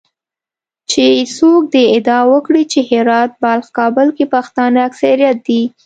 چې څوک دې ادعا وکړي چې هرات، بلخ، کابل کې پښتانه اکثریت دي